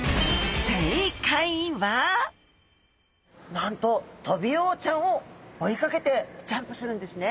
なんとトビウオちゃんを追いかけてジャンプするんですね。